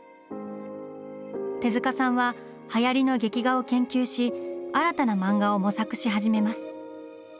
手さんははやりの劇画を研究し新たな漫画を模索し始めます。